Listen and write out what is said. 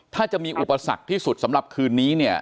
ถ้าจะมีอุปสรรคที่สุดสำหรับคืนนี้เนี่ย